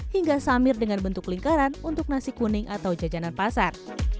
hingga samir dengan bentuk lingkaran untuk nasi kuning atau jajanan pasar